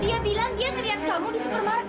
dia bilang dia melihat kamu di supermarket